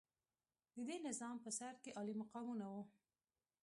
د دې نظام په سر کې عالي مقامونه وو.